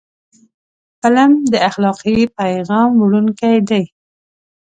فلم د اخلاقي پیغام وړونکی دی